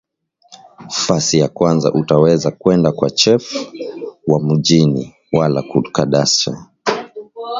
Fasi ya kwanza uta weza kwenda kwa chef wamugini wala ku cadastre